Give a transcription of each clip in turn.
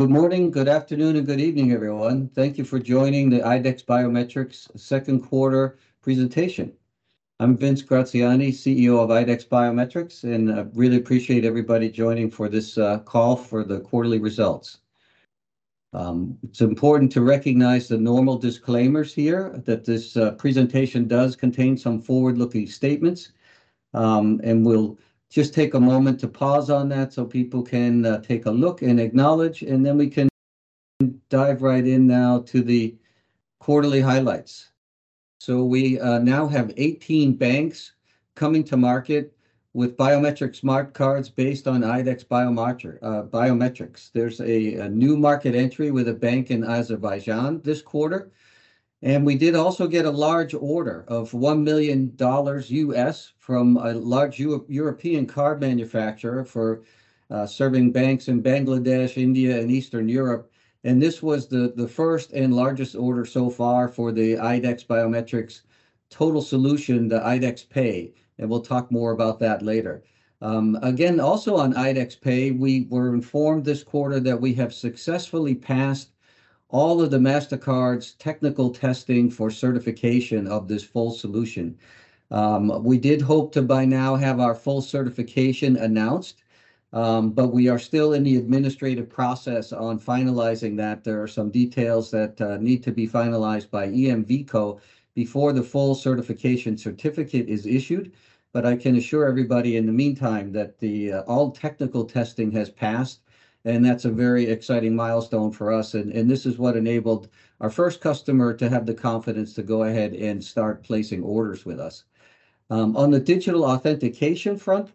Good morning, good afternoon, and good evening, everyone. Thank you for joining the IDEX Biometrics second quarter presentation. I'm Vince Graziani, CEO of IDEX Biometrics. I really appreciate everybody joining for this call for the quarterly results. It's important to recognize the normal disclaimers here, that this presentation does contain some forward-looking statements. We'll just take a moment to pause on that so people can take a look and acknowledge, and then we can dive right in now to the quarterly highlights. We now have 18 banks coming to market with biometric smart cards based on IDEX Biometrics. There's a new market entry with a bank in Azerbaijan this quarter. We did also get a large order of $1 million from a large European card manufacturer for serving banks in Bangladesh, India, and Eastern Europe. This was the first and largest order so far for the IDEX Biometrics total solution, the IDEX Pay, and we'll talk more about that later. Again, also on IDEX Pay, we were informed this quarter that we have successfully passed all of the Mastercard's technical testing for certification of this full solution. We did hope to, by now, have our full certification announced, but we are still in the administrative process on finalizing that. There are some details that need to be finalized by EMVCo before the full certification certificate is issued. I can assure everybody in the meantime, that all technical testing has passed, and that's a very exciting milestone for us. This is what enabled our first customer to have the confidence to go ahead and start placing orders with us. On the digital authentication front,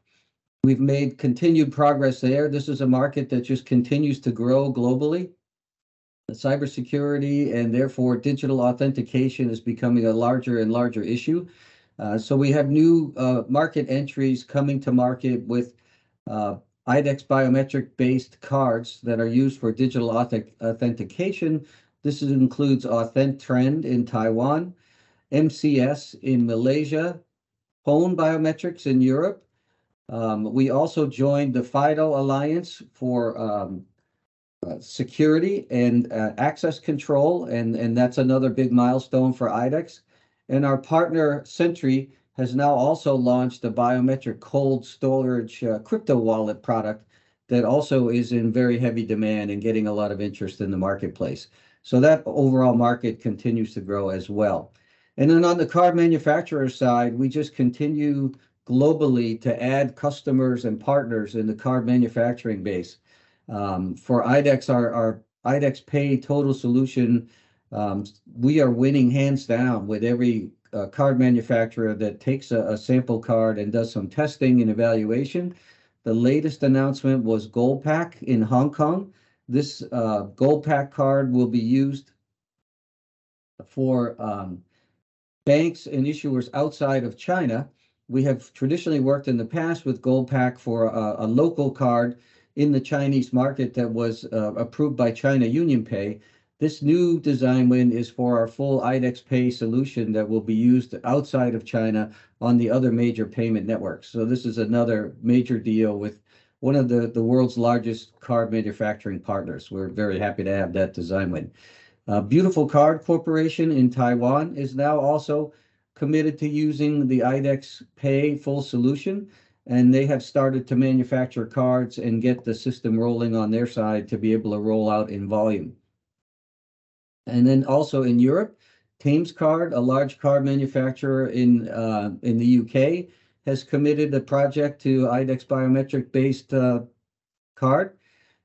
we've made continued progress there. This is a market that just continues to grow globally. The cybersecurity, and therefore digital authentication, is becoming a larger and larger issue. We have new market entries coming to market with IDEX Biometrics-based cards that are used for digital authentication. This includes AuthenTrend in Taiwan, MCS in Malaysia, PONE Biometrics in Europe. We also joined the FIDO Alliance for security and access control, and that's another big milestone for IDEX. Our partner, Sentry, has now also launched a biometric cold storage crypto wallet product that also is in very heavy demand and getting a lot of interest in the marketplace. That overall market continues to grow as well. On the card manufacturer side, we just continue globally to add customers and partners in the card manufacturing base. For IDEX, our IDEX Pay total solution, we are winning hands down with every card manufacturer that takes a sample card and does some testing and evaluation. The latest announcement was Goldpac in Hong Kong. This Goldpac card will be used for banks and issuers outside of China. We have traditionally worked in the past with Goldpac for a local card in the Chinese market that was approved by China UnionPay. This new design win is for our full IDEX Pay solution that will be used outside of China on the other major payment networks. This is another major deal with one of the world's largest card manufacturing partners. We're very happy to have that design win. Beautiful Card Corporation in Taiwan is now also committed to using the IDEX Pay full solution, and they have started to manufacture cards and get the system rolling on their side to be able to roll out in volume. Also in Europe, Thames Technology, a large card manufacturer in the U.K., has committed a project to IDEX Biometrics-based card,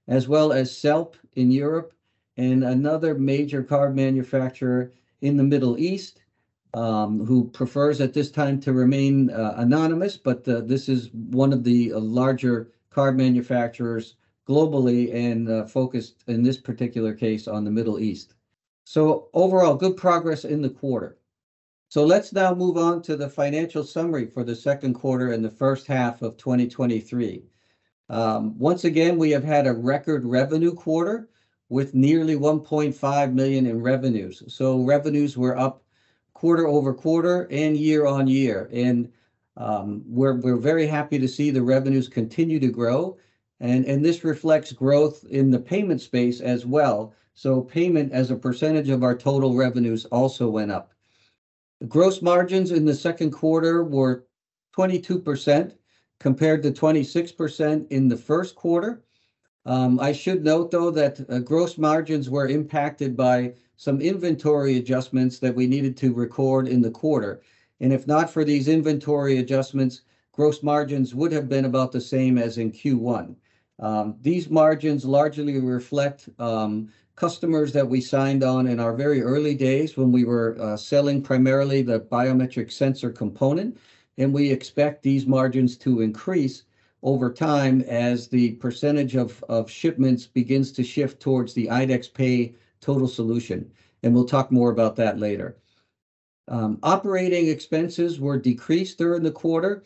as well as SELP in Europe, and another major card manufacturer in the Middle East, who prefers at this time to remain anonymous. This is one of the larger card manufacturers globally and focused, in this particular case, on the Middle East. Overall, good progress in the quarter. Let's now move on to the financial summary for the second quarter and the first half of 2023. Once again, we have had a record revenue quarter with nearly $1.5 million in revenues. Revenues were up quarter-over-quarter and year-on-year, and we're very happy to see the revenues continue to grow. This reflects growth in the payment space as well. Payment, as a percentage of our total revenues, also went up. Gross margins in the second quarter were 22%, compared to 26% in the first quarter. I should note, though, that gross margins were impacted by some inventory adjustments that we needed to record in the quarter. If not for these inventory adjustments, gross margins would have been about the same as in Q1. These margins largely reflect customers that we signed on in our very early days when we were selling primarily the biometric sensor component, and we expect these margins to increase over time as the percentage of shipments begins to shift towards the IDEX Pay total solution, and we'll talk more about that later. Operating expenses were decreased during the quarter,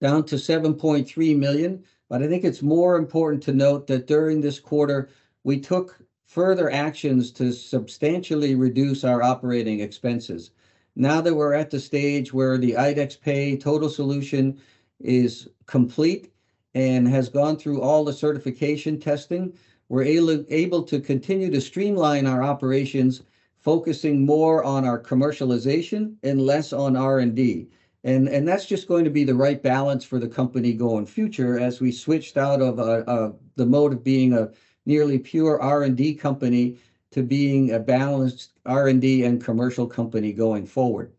down to $7.3 million. I think it's more important to note that during this quarter, we took further actions to substantially reduce our operating expenses. Now that we're at the stage where the IDEX Pay total solution is complete and has gone through all the certification testing, we're able to continue to streamline our operations, focusing more on our commercialization and less on R&D. That's just going to be the right balance for the company going future, as we switched out of the mode of being a nearly pure R&D company to being a balanced R&D and commercial company going forward.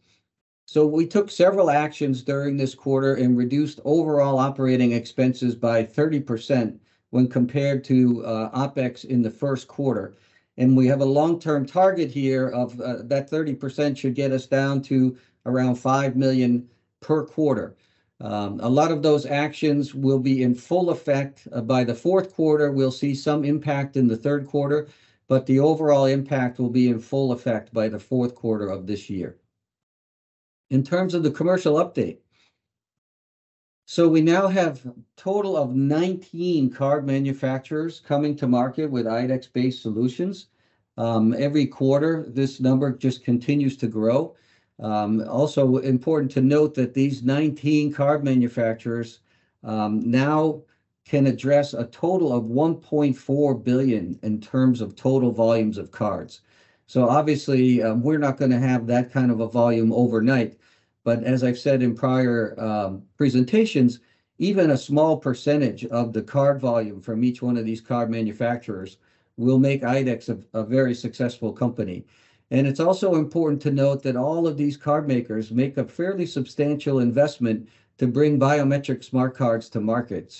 We took several actions during this quarter and reduced overall operating expenses by 30% when compared to OpEx in the first quarter. We have a long-term target here of, that 30% should get us down to around $5 million per quarter. A lot of those actions will be in full effect by the fourth quarter. We'll see some impact in the third quarter, but the overall impact will be in full effect by the fourth quarter of this year. In terms of the commercial update, we now have a total of 19 card manufacturers coming to market with IDEX-based solutions. Every quarter, this number just continues to grow. Also important to note that these 19 card manufacturers, now can address a total of 1.4 billion in terms of total volumes of cards. Obviously, we're not going to have that kind of a volume overnight. As I've said in prior presentations, even a small percentage of the card volume from each one of these card manufacturers will make IDEX a very successful company. It's also important to note that all of these card makers make a fairly substantial investment to bring biometric smart cards to market.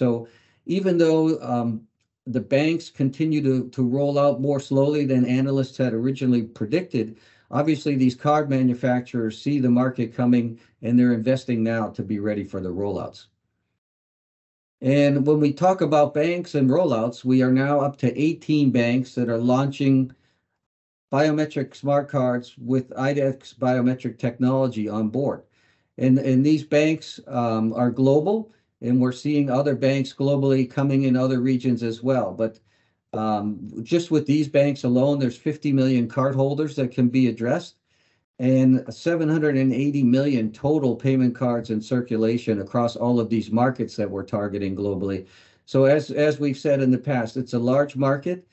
Even though the banks continue to roll out more slowly than analysts had originally predicted, obviously, these card manufacturers see the market coming, and they're investing now to be ready for the rollouts. When we talk about banks and rollouts, we are now up to 18 banks that are launching biometric smart cards with IDEX biometric technology on board. These banks are global, and we're seeing other banks globally coming in other regions as well. Just with these banks alone, there's 50 million cardholders that can be addressed, and 780 million total payment cards in circulation across all of these markets that we're targeting globally. As we've said in the past, it's a large market.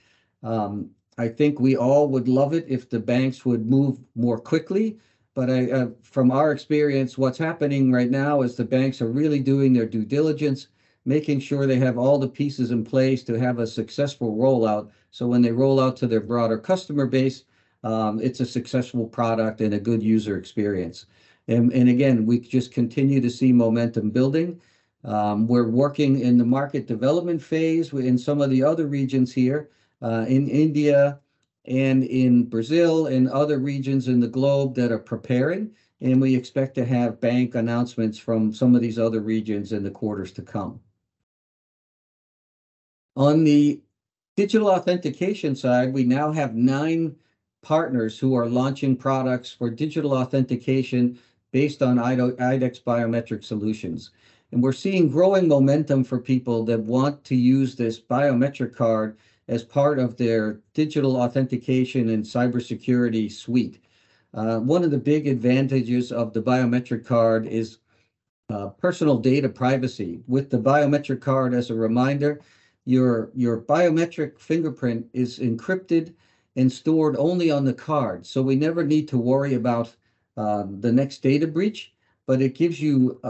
I think we all would love it if the banks would move more quickly. From our experience, what's happening right now is the banks are really doing their due diligence, making sure they have all the pieces in place to have a successful rollout. When they roll out to their broader customer base, it's a successful product and a good user experience. Again, we just continue to see momentum building. We're working in the market development phase in some of the other regions here, in India and in Brazil and other regions in the globe that are preparing, and we expect to have bank announcements from some of these other regions in the quarters to come. On the digital authentication side, we now have nine partners who are launching products for digital authentication based on IDEX biometric solutions. We're seeing growing momentum for people that want to use this biometric card as part of their digital authentication and cybersecurity suite. One of the big advantages of the biometric card is personal data privacy. With the biometric card, as a reminder, your biometric fingerprint is encrypted and stored only on the card, so we never need to worry about the next data breach. It gives you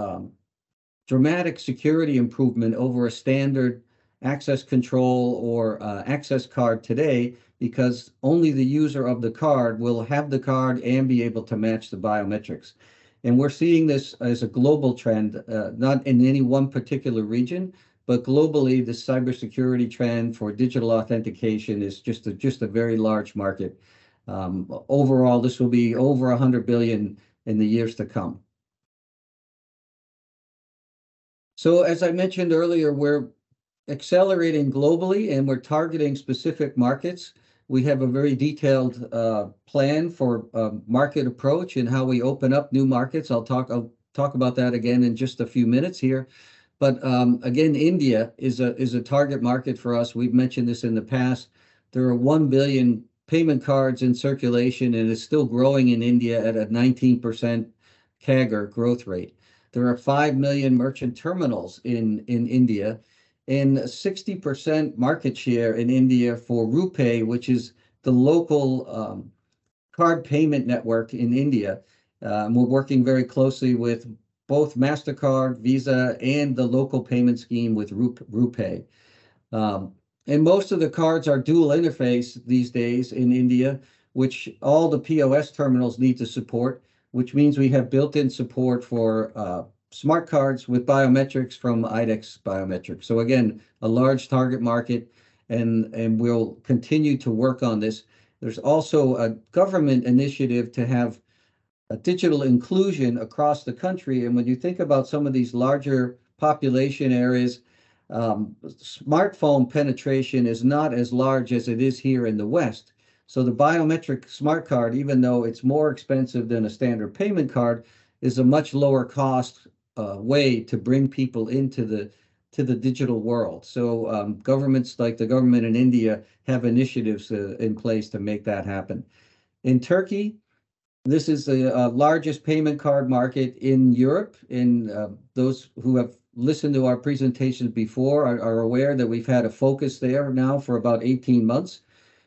dramatic security improvement over a standard access control or access card today, because only the user of the card will have the card and be able to match the biometrics. We're seeing this as a global trend, not in any one particular region, but globally, the cybersecurity trend for digital authentication is just a very large market. Overall, this will be over $100 billion in the years to come. As I mentioned earlier, we're accelerating globally, and we're targeting specific markets. We have a very detailed plan for market approach and how we open up new markets. I'll talk about that again in just a few minutes here. Again, India is a target market for us. We've mentioned this in the past. There are one billion payment cards in circulation, and it's still growing in India at a 19% CAGR growth rate. There are five million merchant terminals in India, and 60% market share in India for RuPay, which is the local card payment network in India. We're working very closely with both Mastercard, Visa, and the local payment scheme with RuPay. Most of the cards are dual interface these days in India, which all the POS terminals need to support, which means we have built-in support for smart cards with biometrics from IDEX Biometrics. Again, a large target market, and we'll continue to work on this. There's also a government initiative to have a digital inclusion across the country. When you think about some of these larger population areas, smartphone penetration is not as large as it is here in the West. The biometric smart card, even though it's more expensive than a standard payment card, is a much lower cost way to bring people into the digital world. Governments like the government in India have initiatives in place to make that happen. In Turkey, this is the largest payment card market in Europe. Those who have listened to our presentations before are aware that we've had a focus there now for about 18 months.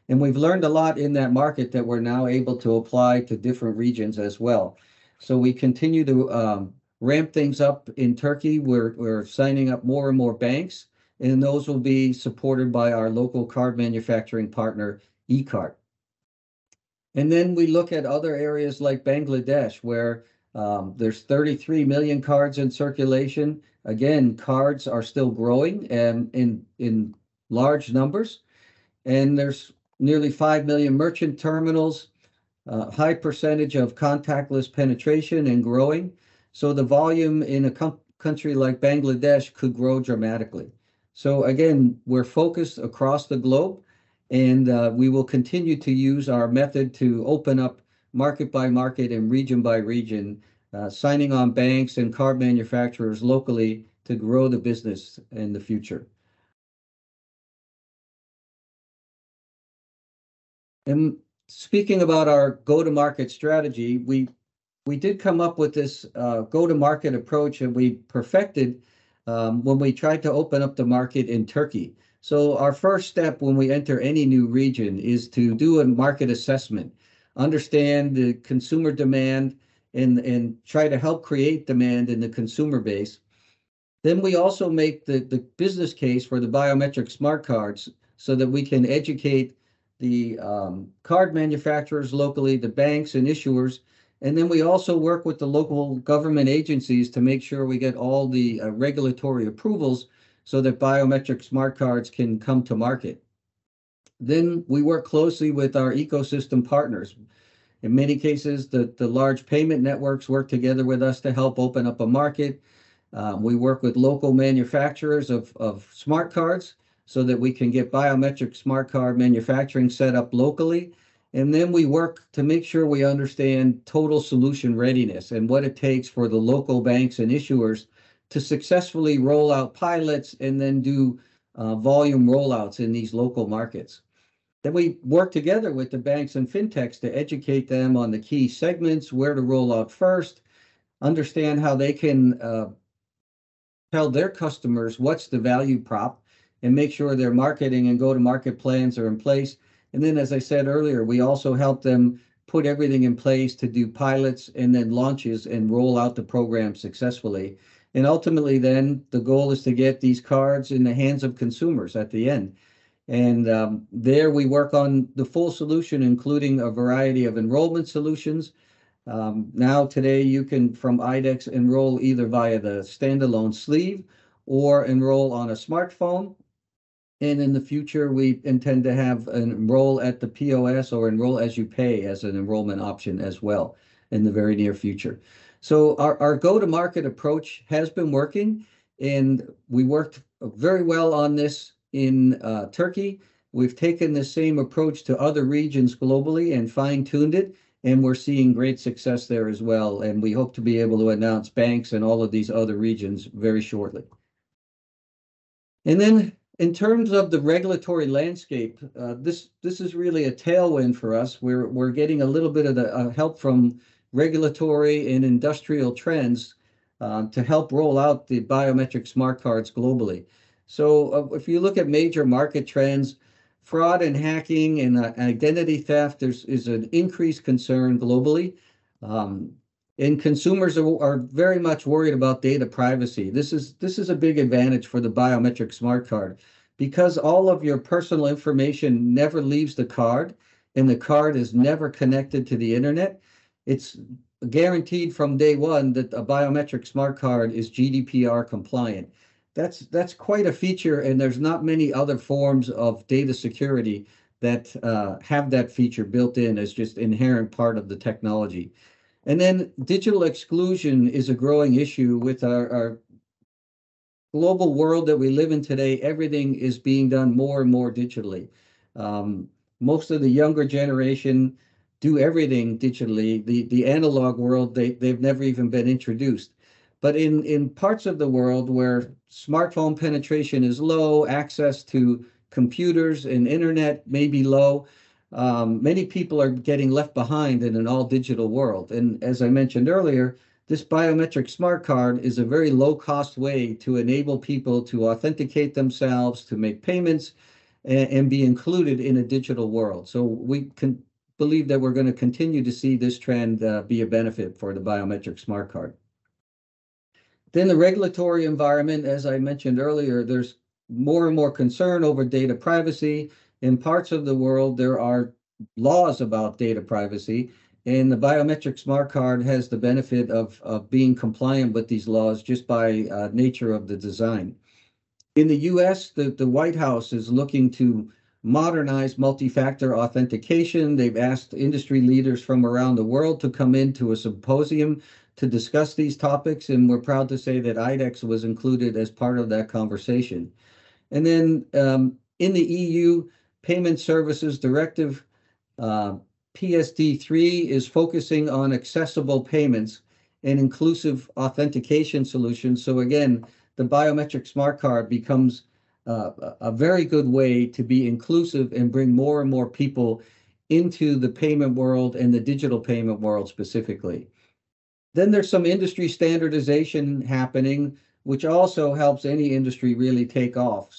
We've learned a lot in that market that we're now able to apply to different regions as well. We continue to ramp things up in Turkey, where we're signing up more and more banks, and those will be supported by our local card manufacturing partner, E-KART. We look at other areas like Bangladesh, where there's 33 million cards in circulation. Again, cards are still growing and in large numbers, and there's nearly five million merchant terminals, a high percentage of contactless penetration and growing. The volume in a country like Bangladesh could grow dramatically. Again, we're focused across the globe, and we will continue to use our method to open up market by market and region by region, signing on banks and card manufacturers locally to grow the business in the future. Speaking about our go-to-market strategy, we did come up with this go-to-market approach, and we perfected when we tried to open up the market in Turkey. Our first step when we enter any new region is to do a market assessment, understand the consumer demand, and try to help create demand in the consumer base. We also make the business case for the biometric smart cards so that we can educate the card manufacturers locally, the banks and issuers. We also work with the local government agencies to make sure we get all the regulatory approvals so that biometric smart cards can come to market. We work closely with our ecosystem partners. In many cases, the large payment networks work together with us to help open up a market. We work with local manufacturers of smart cards so that we can get biometric smart card manufacturing set up locally. We work to make sure we understand total solution readiness and what it takes for the local banks and issuers to successfully roll out pilots and then do volume rollouts in these local markets. We work together with the banks and fintechs to educate them on the key segments, where to roll out first, understand how they can tell their customers what's the value prop, and make sure their marketing and go-to-market plans are in place. As I said earlier, we also help them put everything in place to do pilots and then launches and roll out the program successfully. Ultimately, the goal is to get these cards in the hands of consumers at the end. There we work on the full solution, including a variety of enrollment solutions. Now, today, you can, from IDEX, enroll either via the standalone sleeve or enroll on a smartphone. In the future, we intend to have an enroll at the POS or enroll as you pay, as an enrollment option as well in the very near future. Our go-to-market approach has been working, and we worked very well on this in Turkey. We've taken the same approach to other regions globally and fine-tuned it, and we're seeing great success there as well. We hope to be able to announce banks in all of these other regions very shortly. In terms of the regulatory landscape, this is really a tailwind for us. We're getting a little bit of the help from regulatory and industrial trends to help roll out the biometric smart cards globally. If you look at major market trends, fraud and hacking and identity theft, there's an increased concern globally. Consumers are very much worried about data privacy. This is a big advantage for the biometric smart card because all of your personal information never leaves the card, and the card is never connected to the internet. It's guaranteed from day one that a biometric smart card is GDPR compliant. That's quite a feature, and there's not many other forms of data security that have that feature built in as just inherent part of the technology. Digital exclusion is a growing issue. With our global world that we live in today, everything is being done more and more digitally. Most of the younger generation do everything digitally. The analog world, they've never even been introduced. In parts of the world where smartphone penetration is low, access to computers and internet may be low, many people are getting left behind in an all-digital world. As I mentioned earlier, this biometric smart card is a very low-cost way to enable people to authenticate themselves, to make payments, and be included in a digital world. We can believe that we're going to continue to see this trend be a benefit for the biometric smart card. The regulatory environment, as I mentioned earlier, there's more and more concern over data privacy. In parts of the world, there are laws about data privacy, and the biometric smart card has the benefit of being compliant with these laws just by nature of the design. In the U.S., the White House is looking to modernize multi-factor authentication. They've asked industry leaders from around the world to come into a symposium to discuss these topics. We're proud to say that IDEX was included as part of that conversation. In the EU Payment Services Directive, PSD3 is focusing on accessible payments and inclusive authentication solutions. Again, the biometric smart card becomes a very good way to be inclusive and bring more and more people into the payment world and the digital payment world specifically. There's some industry standardization happening, which also helps any industry really take off.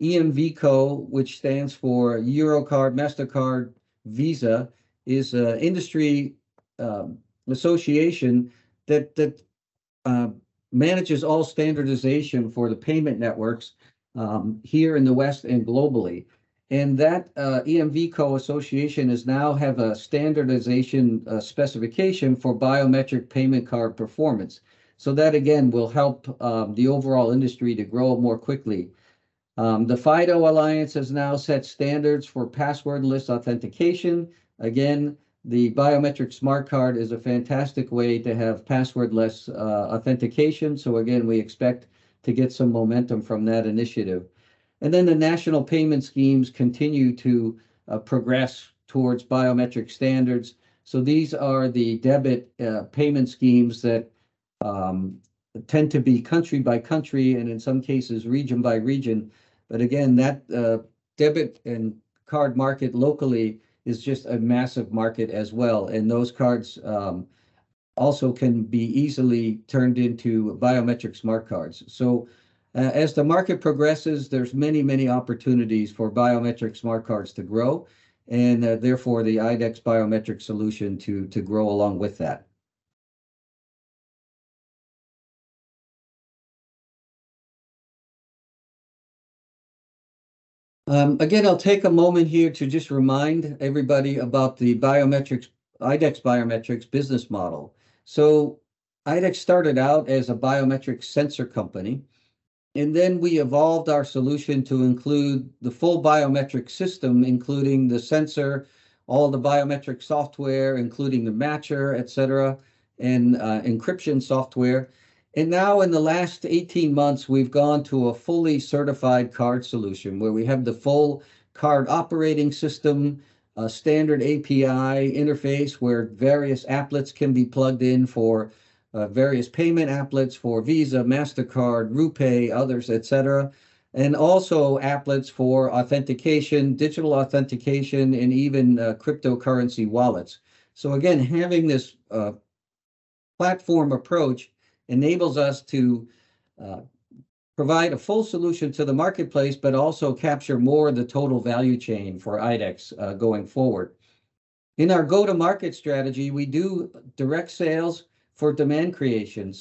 EMVCo, which stands for Eurocard, Mastercard, Visa, is a industry association that manages all standardization for the payment networks here in the West and globally. That EMVCo association is now have a standardization specification for biometric payment card performance. That, again, will help the overall industry to grow more quickly. The FIDO Alliance has now set standards for passwordless authentication. The biometric smart card is a fantastic way to have passwordless authentication. Again, we expect to get some momentum from that initiative. The national payment schemes continue to progress towards biometric standards. These are the debit payment schemes that tend to be country by country and in some cases, region by region. Again, that debit and card market locally is just a massive market as well, and those cards also can be easily turned into biometric smart cards. As the market progresses, there's many, many opportunities for biometric smart cards to grow and, therefore, the IDEX biometric solution to grow along with that. Again, I'll take a moment here to just remind everybody about the biometrics, IDEX Biometrics business model. IDEX started out as a biometric sensor company, and then we evolved our solution to include the full biometric system, including the sensor, all the biometric software, including the matcher, et cetera, and encryption software. Now, in the last 18 months, we've gone to a fully certified card solution, where we have the full card operating system, a standard API interface where various applets can be plugged in for various payment applets for Visa, Mastercard, RuPay, others, et cetera, and also applets for authentication, digital authentication, and even cryptocurrency wallets. Again, having this platform approach enables us to provide a full solution to the marketplace, but also capture more of the total value chain for IDEX going forward. In our go-to-market strategy, we do direct sales for demand creation.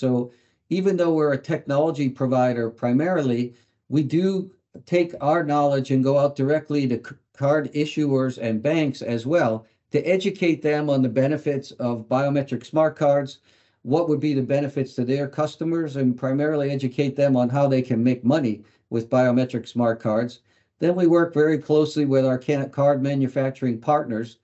Even though we're a technology provider, primarily, we do take our knowledge and go out directly to card issuers and banks as well, to educate them on the benefits of biometric smart cards, what would be the benefits to their customers, and primarily educate them on how they can make money with biometric smart cards. We work very closely with our card manufacturing partners,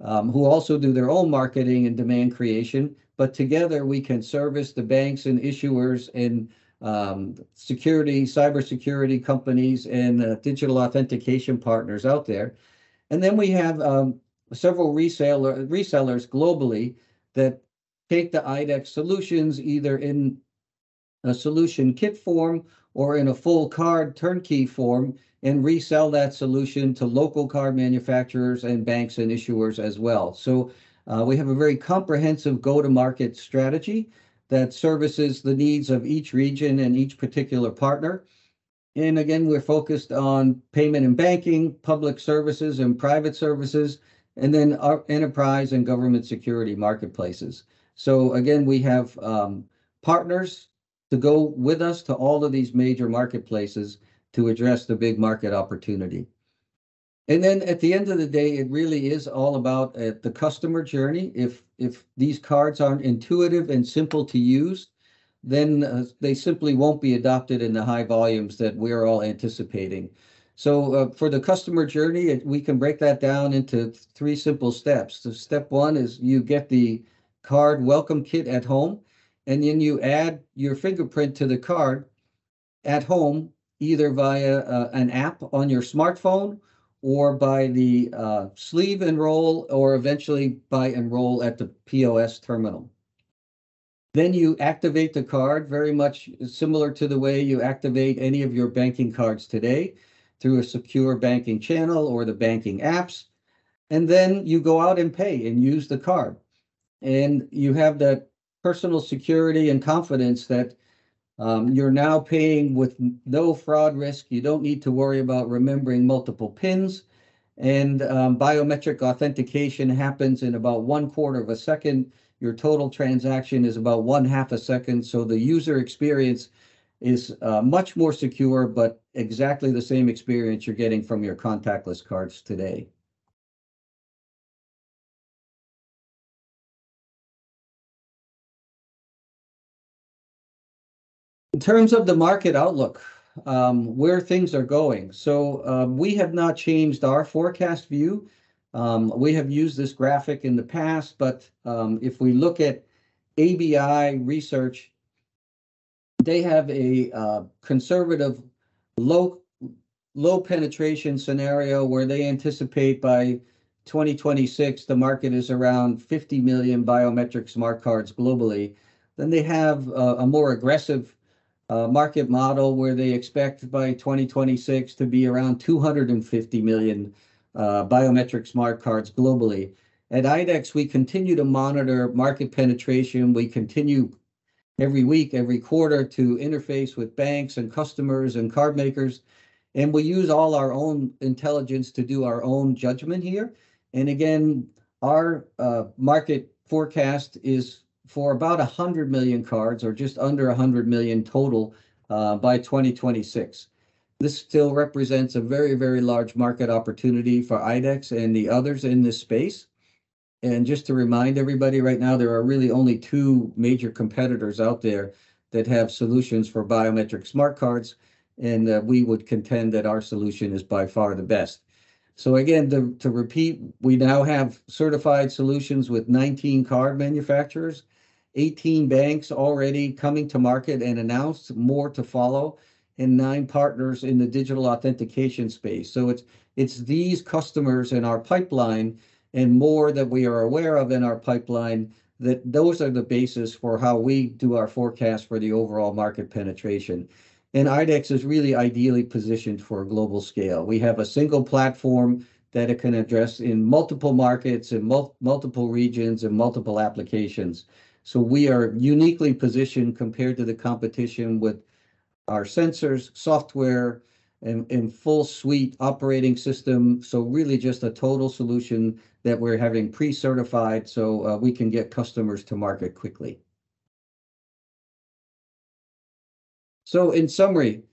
who also do their own marketing and demand creation, but together, we can service the banks and issuers and security, cybersecurity companies and digital authentication partners out there. We have several resellers globally that take the IDEX solutions, either in a solution kit form or in a full card turnkey form, and resell that solution to local card manufacturers and banks and issuers as well. We have a very comprehensive go-to-market strategy that services the needs of each region and each particular partner. Again, we're focused on payment and banking, public services and private services, and then our enterprise and government security marketplaces. Again, we have partners to go with us to all of these major marketplaces to address the big market opportunity. At the end of the day, it really is all about the customer journey. If these cards aren't intuitive and simple to use, then they simply won't be adopted in the high volumes that we're all anticipating. For the customer journey, we can break that down into three simple steps. Step one is you get the card welcome kit at home. Then you add your fingerprint to the card at home, either via an app on your smartphone or by the sleeve enroll, or eventually by enroll at the POS terminal. Then you activate the card, very much similar to the way you activate any of your banking cards today, through a secure banking channel or the banking apps. Then you go out and pay and use the card, and you have that personal security and confidence that you're now paying with no fraud risk. You don't need to worry about remembering multiple PINs. Biometric authentication happens in about 1/4 of a second. Your total transaction is about 1/2 a second, so the user experience is much more secure, but exactly the same experience you're getting from your contactless cards today. In terms of the market outlook, where things are going, we have not changed our forecast view. We have used this graphic in the past, but if we look at ABI Research, they have a conservative, low penetration scenario where they anticipate by 2026, the market is around 50 million biometric smart cards globally. They have a more aggressive market model, where they expect by 2026 to be around 250 million biometric smart cards globally. At IDEX, we continue to monitor market penetration. We continue every week, every quarter, to interface with banks and customers and card makers. We use all our own intelligence to do our own judgment here. Again, our market forecast is for about 100 million cards or just under 100 million total by 2026. This still represents a very, very large market opportunity for IDEX and the others in this space. Just to remind everybody, right now, there are really only two major competitors out there that have solutions for biometric smart cards, and that we would contend that our solution is by far the best. Again, to repeat, we now have certified solutions with 19 card manufacturers, 18 banks already coming to market and announced, more to follow, and nine partners in the digital authentication space. It's these customers in our pipeline and more that we are aware of in our pipeline, that those are the basis for how we do our forecast for the overall market penetration. IDEX is really ideally positioned for a global scale. We have a single platform that it can address in multiple markets, in multiple regions, and multiple applications. We are uniquely positioned compared to the competition with our sensors, software, and full suite operating system. Really, just a total solution that we're having pre-certified, so, we can get customers to market quickly. In summary,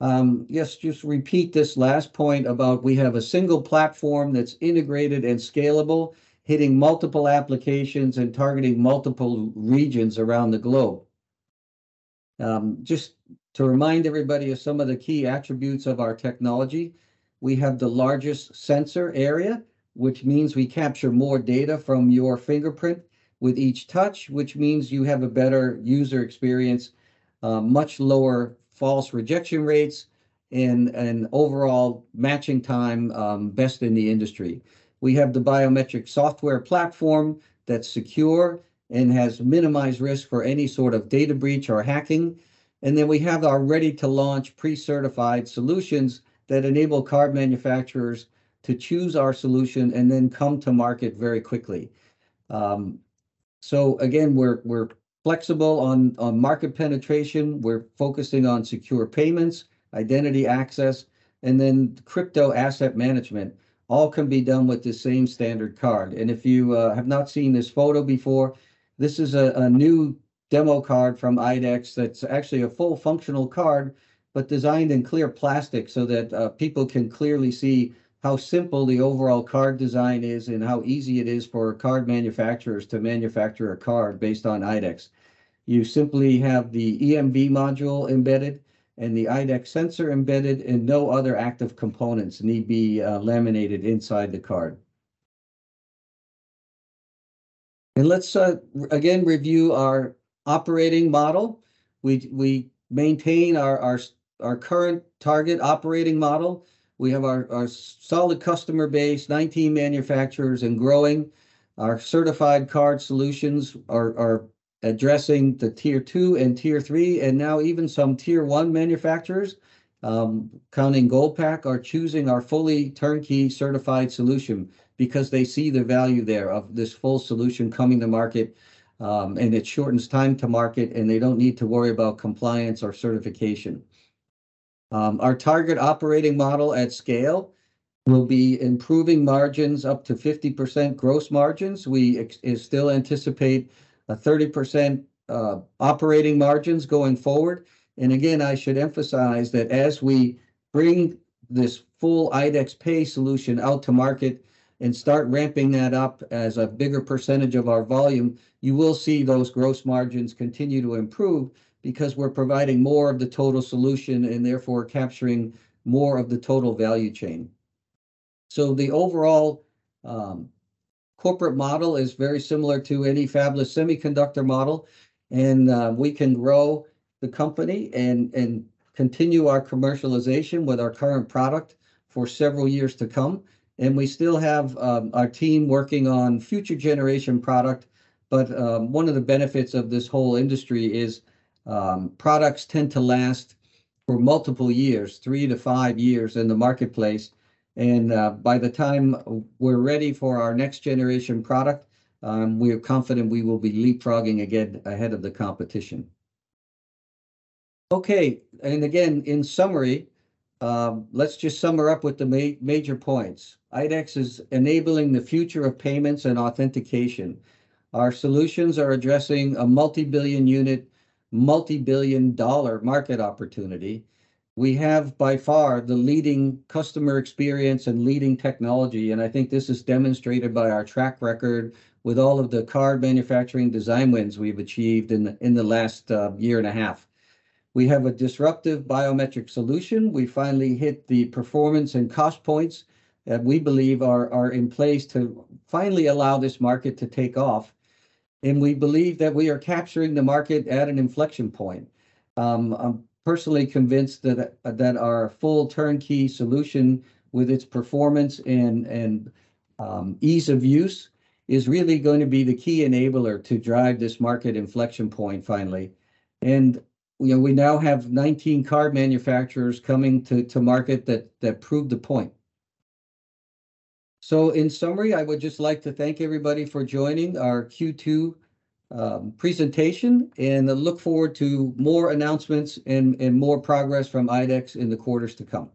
yes, just repeat this last point about we have a single platform that's integrated and scalable, hitting multiple applications and targeting multiple regions around the globe. Just to remind everybody of some of the key attributes of our technology, we have the largest sensor area, which means we capture more data from your fingerprint with each touch, which means you have a better user experience, much lower false rejection rates and overall matching time, best in the industry. We have the biometric software platform that's secure and has minimized risk for any sort of data breach or hacking. We have our ready-to-launch pre-certified solutions that enable card manufacturers to choose our solution and then come to market very quickly. Again, we're flexible on market penetration. We're focusing on secure payments, identity access, and then crypto asset management. All can be done with the same standard card. If you have not seen this photo before, this is a new demo card from IDEX that's actually a full functional card, but designed in clear plastic so that people can clearly see how simple the overall card design is and how easy it is for card manufacturers to manufacture a card based on IDEX. You simply have the EMV module embedded and the IDEX sensor embedded, and no other active components need be laminated inside the card. Let's again review our operating model. We maintain our current target operating model. We have our solid customer base, 19 manufacturers and growing. Our certified card solutions are addressing the Tier Two and Tier Three, and now even some Tier One manufacturers, counting Goldpac, are choosing our fully turnkey certified solution because they see the value there of this full solution coming to market. It shortens time to market, and they don't need to worry about compliance or certification. Our target operating model at scale will be improving margins up to 50% gross margins. We still anticipate a 30% operating margins going forward. Again, I should emphasize that as we bring this full IDEX Pay solution out to market and start ramping that up as a bigger percentage of our volume, you will see those gross margins continue to improve because we're providing more of the total solution and therefore capturing more of the total value chain. The overall corporate model is very similar to any fabless semiconductor model. We can grow the company and continue our commercialization with our current product for several years to come. We still have our team working on future generation product. One of the benefits of this whole industry is products tend to last for multiple years, three to five years in the marketplace. By the time we're ready for our next generation product, we are confident we will be leapfrogging again ahead of the competition. Again, in summary, let's just sum her up with the major points. IDEX is enabling the future of payments and authentication. Our solutions are addressing a multi-billion unit, multi-billion-dollar market opportunity. We have, by far, the leading customer experience and leading technology. I think this is demonstrated by our track record with all of the card manufacturing design wins we've achieved in the last year and a half. We have a disruptive biometric solution. We finally hit the performance and cost points that we believe are in place to finally allow this market to take off. We believe that we are capturing the market at an inflection point. I'm personally convinced that our full turnkey solution, with its performance and ease of use, is really going to be the key enabler to drive this market inflection point finally. You know, we now have 19 card manufacturers coming to market that prove the point. In summary, I would just like to thank everybody for joining our Q2 presentation, and I look forward to more announcements and more progress from IDEX in the quarters to come.